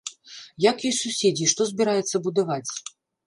Як ёй суседзі і што збіраецца будаваць?